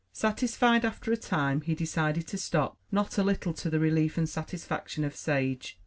Satisfied after a time, he decided to stop, not a little to the relief and satisfaction of Sage.